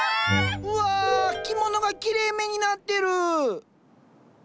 うわ着物がきれいめになってる！